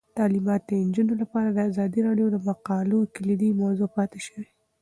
تعلیمات د نجونو لپاره د ازادي راډیو د مقالو کلیدي موضوع پاتې شوی.